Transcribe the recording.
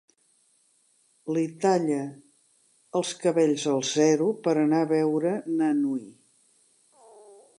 Li talla els cabells al zero per anar a veure na Nui.